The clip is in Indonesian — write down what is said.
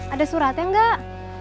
ada suratnya enggak